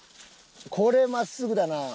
これ真っすぐだな。